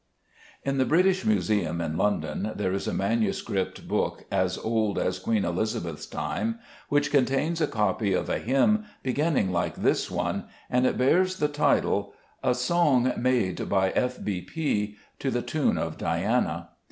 At the British Museum in London there is a manu script book as old as Queen Elizabeth's time, which con tains a copy of a hymn beginning like this one, and it bears the title " A Song Mad[e] by F: B : P. To the tune of Diana."